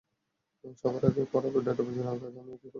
সবার ভাগে পড়া ডেটাবেজের কাজ আমি একাই করে দিলাম বলতে গেলে।